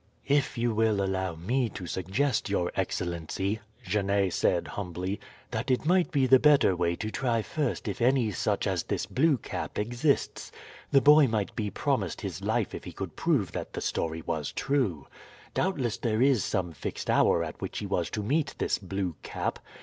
"If you will allow me to suggest, your excellency," Genet said humbly, "that it might be the better way to try first if any such as this Blue Cap exists. The boy might be promised his life if he could prove that the story was true. Doubtless there is some fixed hour at which he was to meet this Blue Cap.